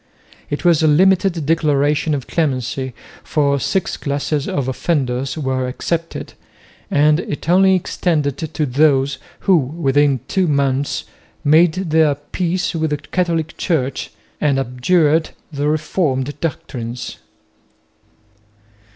It was a limited declaration of clemency, for six classes of offenders were excepted, and it only extended to those who within two months made their peace with the Catholic Church and abjured the Reformed doctrines.